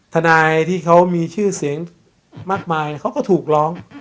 ทนายที่เขามีชื่อเสียงมากมายเขาก็ถูกร้อง